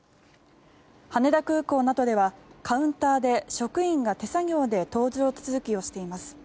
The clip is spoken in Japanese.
羽田空港などではカウンターで職員が手作業で搭乗手続きをしています。